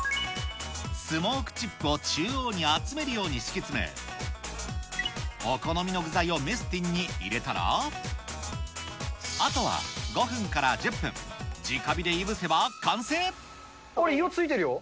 スモークチップを中央に集めるように敷き詰め、お好みの具材をメスティンに入れたら、あとは５分から１０分、これ、色ついてるよ！